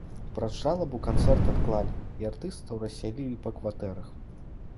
Праз жалобу канцэрт адклалі, і артыстаў рассялілі па кватэрах.